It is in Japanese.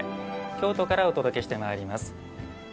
京都からお届けしてまいります。